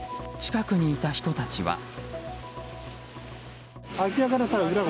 近くにいた人たちは。